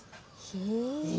へえ。